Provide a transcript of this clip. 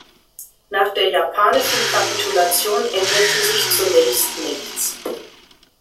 Nach der japanischen Kapitulation änderte sich zunächst nichts.